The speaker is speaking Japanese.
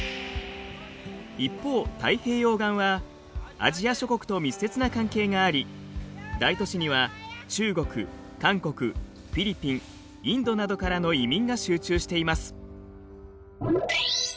一方太平洋岸はアジア諸国と密接な関係があり大都市には中国韓国フィリピンインドなどからの移民が集中しています。